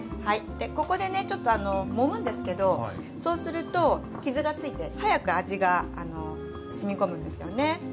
ここでねちょっともむんですけどそうすると傷がついて早く味がしみ込むんですよね。